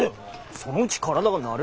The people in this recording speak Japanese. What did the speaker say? そのうち体が慣れるだ。